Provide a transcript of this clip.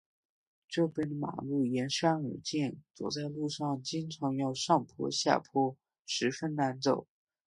这边的马路沿山而建，走在路上经常要上坡下坡，十分难走。